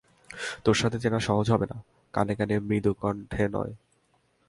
তোর সাথে চেনা সহজে হবে না-- কানে কানে মৃদুকণ্ঠে নয়।